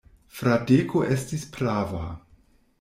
Fradeko estis prava.